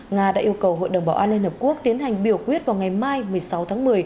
nga đã yêu cầu hội đồng bảo an liên hợp quốc tiến hành biểu quyết vào ngày mai một mươi sáu tháng một mươi